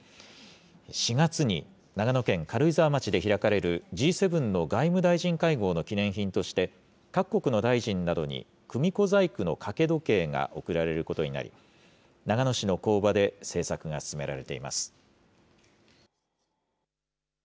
４月に長野県軽井沢町で開かれるＧ７の外務大臣会合の記念品として、各国の大臣などに組子細工の掛け時計が贈られることになり、長野市の工場で製作が進められています。